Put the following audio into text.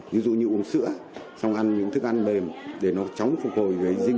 ví dụ như uống sữa xong ăn những thức ăn mềm để nó chóng phục hồi với dịch